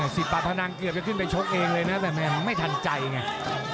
สิบปากพนังเกือบจะขึ้นไปชกเองเลยนะแต่แม่มันไม่ทันใจไง